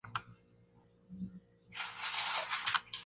Ahí mismo comprendió que había encontrado a su maestro.